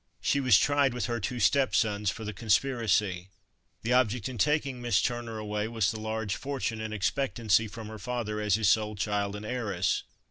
She was tried with her two stepsons for the conspiracy. The object in taking Miss Turner away was the large fortune in expectancy from her father as his sole child and heiress.